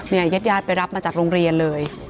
ญาติญาติไปรับมาจากโรงเรียนเลย